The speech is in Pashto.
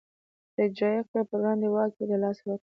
د اجرایه قوې پر وړاندې واک یې له لاسه ورکړ.